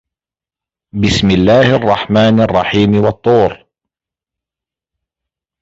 بِسمِ اللَّهِ الرَّحمنِ الرَّحيمِ وَالطّورِ